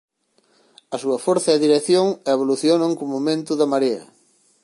A súa forza e dirección evolucionan co momento da marea.